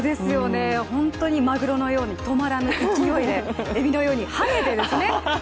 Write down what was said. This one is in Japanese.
本当にマグロのように止まらぬ勢いでエビのように跳ねてですね。